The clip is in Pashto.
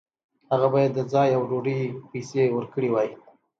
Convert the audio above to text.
هغه باید د ځای او ډوډۍ پیسې ورکړې وای.